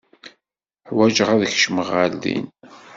Ḥwajeɣ ad kecmeɣ ɣer din.